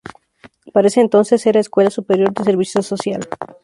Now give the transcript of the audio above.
Para ese entonces era "Escuela Superior de Servicio Social".